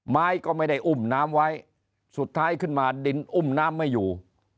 ไม้ก็ไม่ได้อุ้มน้ำไว้สุดท้ายขึ้นมาดินอุ้มน้ำไม่อยู่